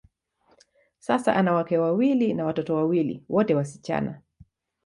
Sasa, ana wake wawili na watoto wawili, wote wasichana.